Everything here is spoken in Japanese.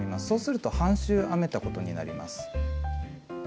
そうすると半周編めたことになります。